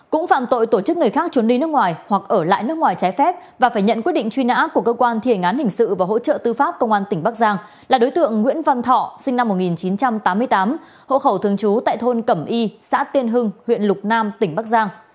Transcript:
cũng phạm tội tổ chức người khác trốn đi nước ngoài hoặc ở lại nước ngoài trái phép và phải nhận quyết định truy nã của cơ quan thi hành án hình sự và hỗ trợ tư pháp công an tỉnh bắc giang là đối tượng nguyễn văn thọ sinh năm một nghìn chín trăm tám mươi tám hộ khẩu thường trú tại thôn cẩm y xã tiên hưng huyện lục nam tỉnh bắc giang